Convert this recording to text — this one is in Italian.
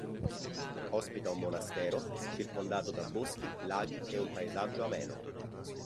Ospita un monastero circondato da boschi, laghi e un paesaggio ameno.